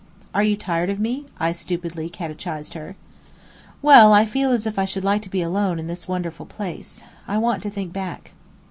"Are you tired of me?" I stupidly catechised her. "Well, I feel as if I should like to be alone in this wonderful place. _I want to think back.